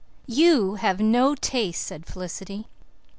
"You have no taste," said Felicity.